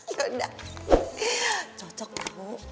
yaudah cocok tau